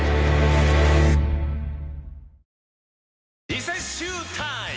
リセッシュータイム！